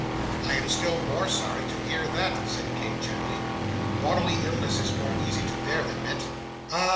'I am still more sorry to hear that,' said Kate, gently. 'Bodily illness is more easy to bear than mental.' 'Ah!